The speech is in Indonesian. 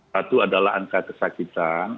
satu adalah angka kesakitan